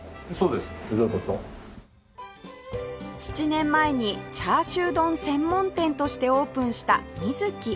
７年前にチャーシュー丼専門店としてオープンした水喜